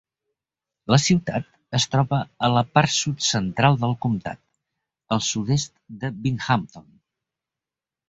La ciutat es troba a la part sud central del comtat, al sud-est de Binghamton.